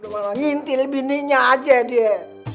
malah nyintil bininya aja dia